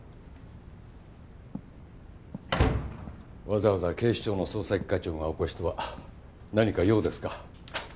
わざわざ警視庁の捜査一課長がお越しとは何か用ですか？